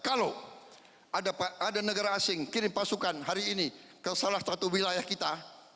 kalau ada negara asing kirim pasukan hari ini ke salah satu wilayah kita